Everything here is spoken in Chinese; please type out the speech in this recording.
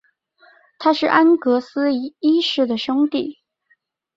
他是安格斯一世的兄弟。